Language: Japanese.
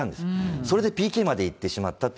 それでＰＫまで行ってしまっ